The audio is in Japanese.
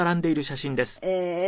ええー！